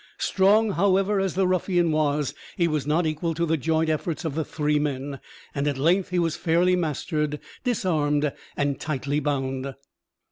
Strong, however, as the ruffian was, he was not equal to the joint efforts of the three men, and at length he was fairly mastered, disarmed, and tightly bound.